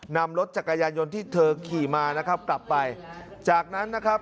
นำรถจักรยานยนต์ที่เธอขี่มานะครับกลับไปจากนั้นนะครับ